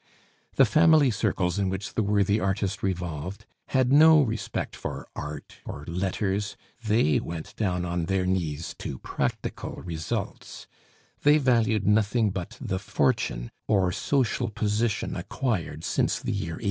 The family circles in which the worthy artist revolved had no respect for art or letters; they went down on their knees to practical results; they valued nothing but the fortune or social position acquired since the year 1830.